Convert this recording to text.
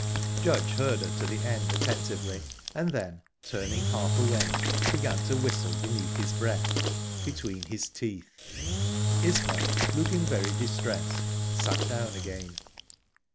Judge heard her to the end attentively, and then, turning half away, began to whistle beneath his breath, between his teeth. Isbel, looking very distressed, sat down again.